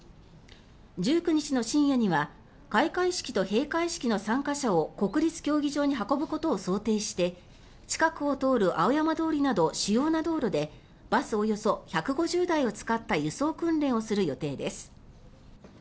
１９日の深夜には開会式と閉会式の参加者を国立競技場に運ぶことを想定して近くを通る青山通りなど主要な道路でバスおよそ１５０台を使った輸送訓練をする予定です。